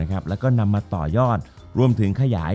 จบการโรงแรมจบการโรงแรม